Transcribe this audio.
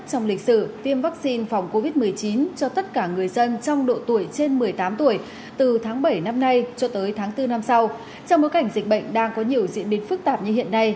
sau mối cảnh dịch bệnh đang có nhiều diễn biến phức tạp như hiện nay